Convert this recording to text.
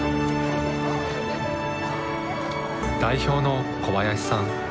代表の小林さん。